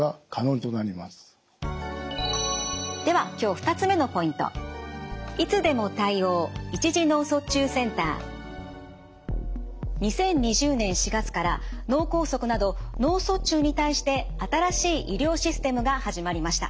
２０２０年４月から脳梗塞など脳卒中に対して新しい医療システムが始まりました。